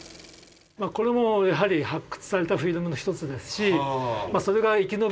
これもやはり発掘されたフィルムの一つですしそれが生き延びてここに保管されてる。